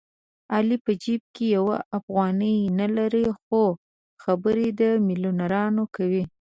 علي په جېب کې یوه افغانۍ نه لري خو خبرې د مېلیونرانو کوي.